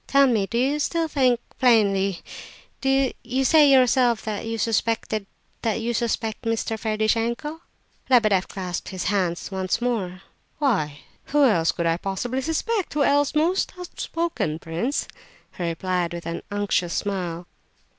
Tell me, do you still think... plainly, you say yourself that you suspect Mr. Ferdishenko?" Lebedeff clasped his hands once more. "Why, who else could I possibly suspect? Who else, most outspoken prince?" he replied, with an unctuous smile.